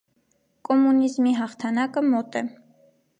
Կոմունիզմի հաղթանակը մոտ է։